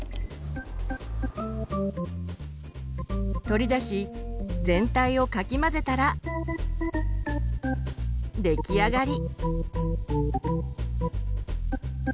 取り出し全体をかき混ぜたら出来上がり。